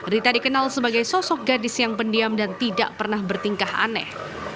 rita dikenal sebagai sosok gadis yang pendiam dan tidak pernah bertingkah aneh